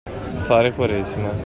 Fare quaresima.